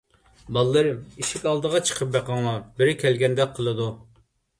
بالىلىرىم، ئىشىك ئالدىغا چىقىپ بېقىڭلار، بىرى كەلگەندەك قىلىدۇ.